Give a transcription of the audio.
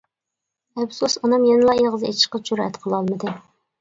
ئەپسۇس، ئانام يەنىلا ئېغىز ئېچىشقا جۈرئەت قىلالمىدى.